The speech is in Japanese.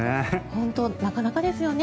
本当になかなかですよね。